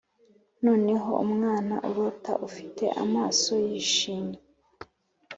noneho umwana urota, ufite amaso yishimye